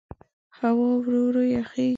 هوا ورو ورو یخېږي.